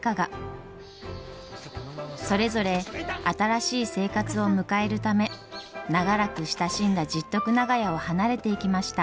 それぞれ新しい生活を迎えるため長らく親しんだ十徳長屋を離れていきました。